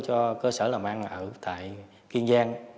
cho cơ sở làm ăn ở tại kiên giang